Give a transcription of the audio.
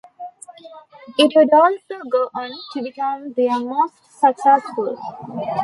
It would also go on to become their most successful.